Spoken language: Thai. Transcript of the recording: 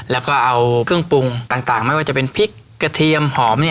แล้วก็เอาเครื่องปรุงต่างไม่ว่าจะเป็นพริกกระเทียมหอม